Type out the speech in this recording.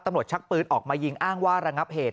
ตำรวจชักปืนออกมายิงอ้างว่ารังงับเหตุ